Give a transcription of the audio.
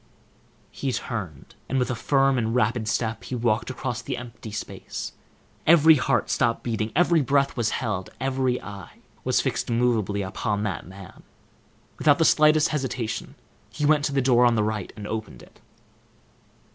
He turned, and with a firm and rapid step he walked across the empty space. Every heart stopped beating, every breath was held, every eye was fixed immovably upon that man. Without the slightest hesitation, he went to the door on the right, and opened it.